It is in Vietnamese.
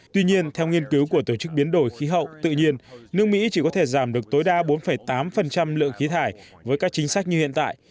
tuy nhiên theo nghiên cứu của tổ chức biến đổi khí hậu tự nhiên nước mỹ chỉ có thể giảm được tối đa bốn tám lượng khí thải với các chính sách như hiện tại